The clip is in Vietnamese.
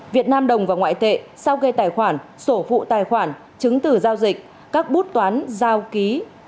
việt nam đồng và ngoại tệ sao gây tài khoản sổ vụ tài khoản chứng từ giao dịch các bút toán giao ký